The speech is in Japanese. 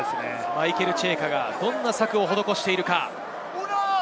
マイケル・チェイカはどんな策を施しているか？